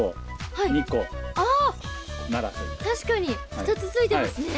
あ確かに２つついてますね。